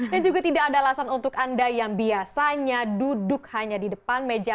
dan juga tidak ada alasan untuk anda yang biasanya duduk hanya di depan meja